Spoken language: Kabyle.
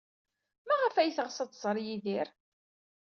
Maɣef ay teɣs ad tẓer Yidir?